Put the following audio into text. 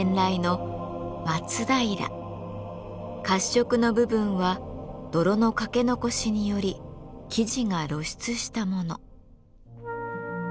褐色の部分は泥のかけ残しにより素地が露出したもの。